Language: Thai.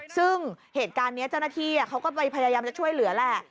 ซึ่งเหตุการณ์นี้เจ้าหน้าที่เขาก็ไปพยายามจะช่วยเหลือแหละ